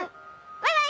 バイバイ。